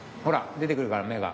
出てくるから目が。